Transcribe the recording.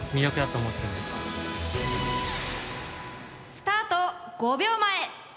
スタート５秒前！